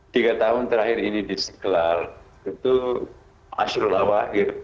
tiga tahun terakhir ini di istiqlal itu ashulawahir